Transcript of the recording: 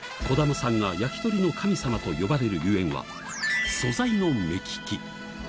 児玉さんが焼き鳥の神様と呼ばれるゆえんは素材の目利き。